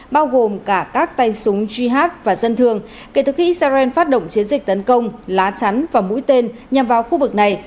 bao gồm cả các tay súng jihad và dân thường kể từ khi israel phát động chiến dịch tấn công lá chắn và mũi tên nhằm vào khu vực này